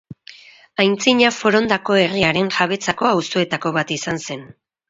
Antzina Forondako herriaren jabetzako auzoetako bat izan zen.